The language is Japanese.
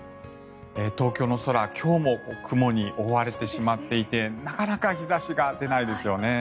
東京の空、今日も雲に覆われてしまっていてなかなか日差しが出ないですよね。